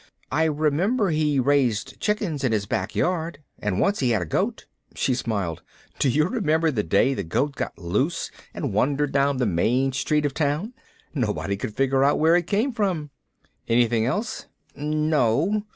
"I remember he raised chickens in his back yard, and once he had a goat." She smiled. "Do you remember the day the goat got loose and wandered down the main street of town? Nobody could figure out where it came from." "Anything else?" "No."